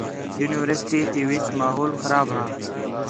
یونیورسٹی تی وِچ ماحول خراب ہا